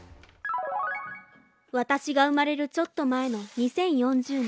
私が生まれるちょっと前の２０４０年。